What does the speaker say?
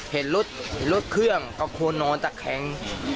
เห็นรถเครื่องก็คนนอนจากแข็ง